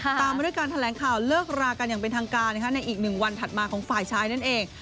ตามมาด้วยการแถลงข่าวเลิกรากันอย่างเป็นทางการในอีก๑วันถัดมาของฝ่ายชายนั่นเอง